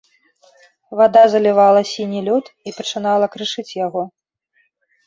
Вада залівала сіні лёд і пачынала крышыць яго.